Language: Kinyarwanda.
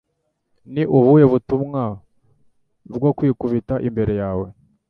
Ni ubuhe butumwa bwo kwikubita imbere yawe